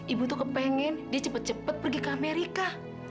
ibu tuh kepengen dia cepet cepet pergi ke amerika